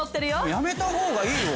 やめたほうがいいよ。